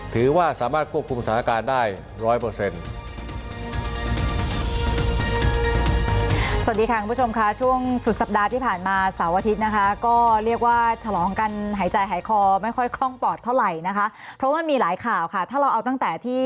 ถือว่าสามารถควบคุมสถานการณ์ได้๑๐๐